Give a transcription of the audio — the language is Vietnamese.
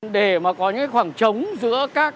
để mà có những khoảng trống giữa các